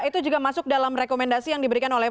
itu juga masuk dalam rekomendasi yang diberikan oleh